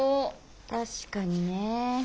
確かにねえ。